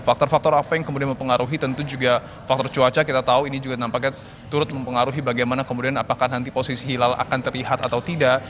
faktor faktor apa yang kemudian mempengaruhi tentu juga faktor cuaca kita tahu ini juga nampaknya turut mempengaruhi bagaimana kemudian apakah nanti posisi hilal akan terlihat atau tidak